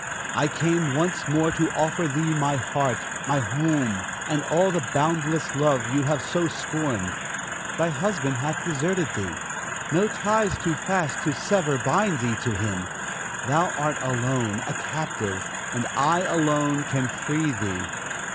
I came once more to offer thee my heart, my home, and all the boundless love you have so scorned. Thy husband hath deserted thee; no ties too fast to sever bind thee to him. Thou art alone, a captive, and I alone can free thee.